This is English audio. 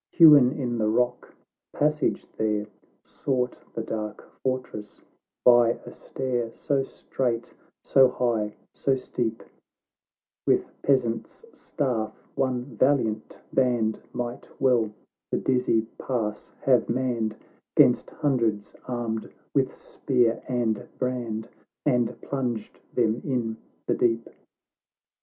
Hewn in the rock, a passage there Sought the dark fortress1 by a stair So strait, so high, so steep, "With peasant's staff one valiant hand Might well the dizzy pass have manned, 'Gainst hundreds armed with spear and brand, And plunged them in the deep.